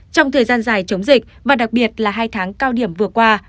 trong thời gian dài chống dịch và đặc biệt là hai tháng cao điểm vừa qua